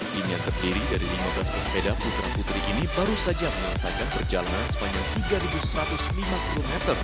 tim yang terdiri dari lima belas pesepeda putra putri ini baru saja menyelesaikan perjalanan sepanjang tiga satu ratus lima km